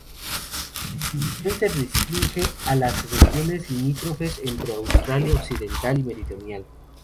Su distribución se restringe a las regiones limítrofes entre Australia Occidental y Meridional.